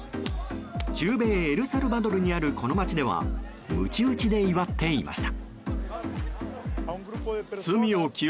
中米エルサルバドルにあるこの街ではむち打ちで祝っていました。